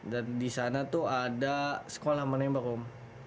dan disana tuh ada sekolah menembak om